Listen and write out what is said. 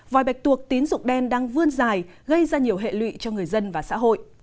vòi bạch tuộc tín dụng đen đang vươn dài gây ra nhiều hệ lụy cho người dân và xã hội